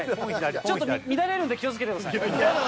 ちょっと乱れるんで気を付けてください。